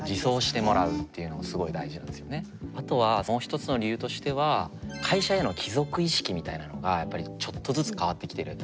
あとはもう一つの理由としては会社への帰属意識みたいなのがやっぱりちょっとずつ変わってきてる。